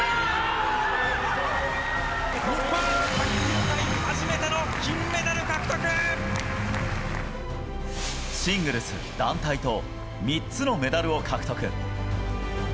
日本卓球界で初めての金メダシングルス、団体と３つのメダルを獲得。